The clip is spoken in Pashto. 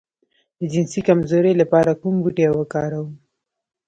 د جنسي کمزوری لپاره کوم بوټی وکاروم؟